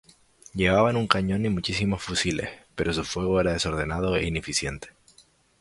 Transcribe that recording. Llevaban un cañón y muchísimos fusiles, pero su fuego era desordenado e ineficiente.